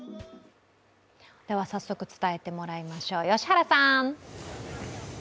早速伝えてもらいましょう、良原さん。